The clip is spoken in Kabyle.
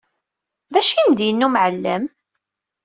D acu i m-d-yenna umɛellem?